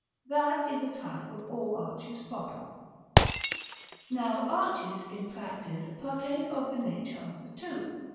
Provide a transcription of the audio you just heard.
That is a type of all arches proper. § II. Now arches, in practice, partake of the nature of the two.